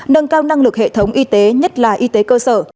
nâng cao năng lực hệ thống y tế nhất là y tế cơ sở